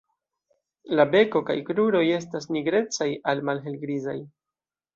La beko kaj kruroj estas nigrecaj al malhelgrizaj.